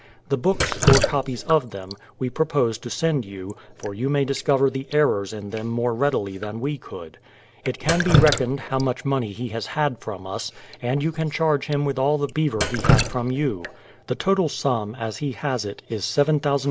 The books, or copies of them, we propose to send you, for you may discover the errors in them more readily than we could. It can be reckoned how much money he has had from us, and you can charge him with all the beaver he had from THE PLYMOUTH SETTLEMENT 231 you.